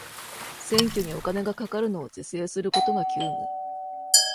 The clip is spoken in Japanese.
選挙にお金がかかるのを是正することが急務